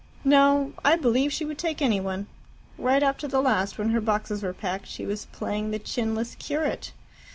"No. I believe she would take any one. Right up to the last, when her boxes were packed, she was 'playing' the chinless curate.